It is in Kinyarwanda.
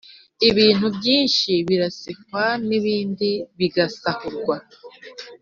Ibintu byinshi birasenkwa n’ibindi birasahurwa,